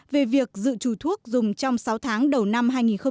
về việc dự trù thuốc dùng trong sáu tháng đầu năm hai nghìn một mươi bốn